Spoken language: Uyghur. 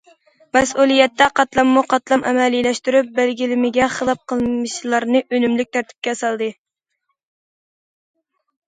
مەسئۇلىيەتنى قاتلاممۇ قاتلام ئەمەلىيلەشتۈرۈپ، بەلگىلىمىگە خىلاپ قىلمىشلارنى ئۈنۈملۈك تەرتىپكە سالدى.